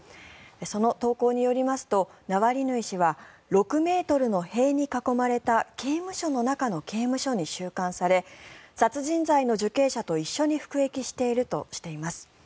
その投稿によりますとナワリヌイ氏は６ｍの塀に囲まれた刑務所の中の刑務所に収監され殺人罪の受刑者と一緒に服役しているとしています。